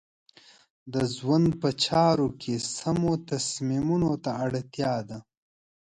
د ژوند په چارو کې سمو تصمیمونو ته اړتیا ده.